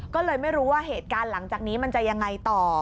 ก็เลยไม่รู้ว่าเหตุการณ์หลังจากนี้มันจะยังไงต่อ